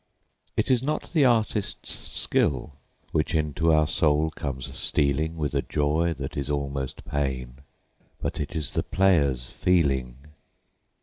It is not the artist's skill which into our soul comes stealing With a joy that is almost pain, but it is the player's feeling.